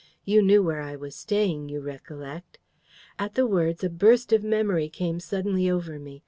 You knew where I was staying, you recollect " At the words, a burst of memory came suddenly over me.